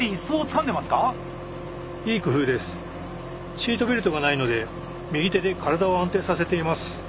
シートベルトがないので右手で体を安定させています。